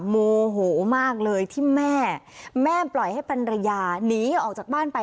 โมโหมากเลยที่แม่แม่ปล่อยให้ภรรยาหนีออกจากบ้านไป